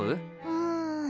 うん。